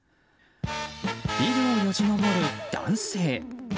ビルをよじ登る男性。